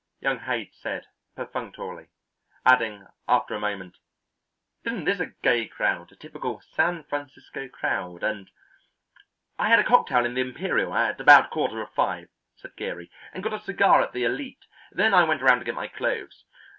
young Haight said perfunctorily, adding after a moment, "Isn't this a gay crowd, a typical San Francisco crowd and " "I had a cocktail in the Imperial at about quarter of five," said Geary, "and got a cigar at the Elite; then I went around to get my clothes.